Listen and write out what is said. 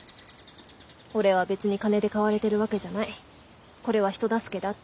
俺は別に金で買われてるわけじゃないこれは人助けだって。